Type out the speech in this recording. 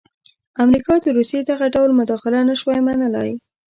امریکا د روسیې دغه ډول مداخله نه شوای منلای.